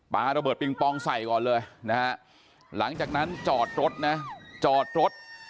ปลาระเบิดปิงปองใส่ก่อนเลยนะฮะหลังจากนั้นจอดรถนะจอดรถ